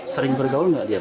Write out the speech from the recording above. sering bergaul nggak dia